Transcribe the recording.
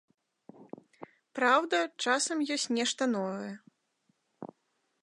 Праўда, часам ёсць нешта новае.